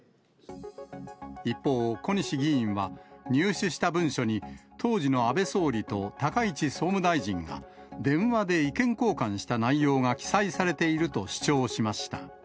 一方、小西議員は入手した文書に、当時の安倍総理と高市総務大臣が、電話で意見交換した内容が記載されていると主張しました。